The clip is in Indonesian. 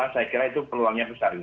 saya kira itu peluangnya besar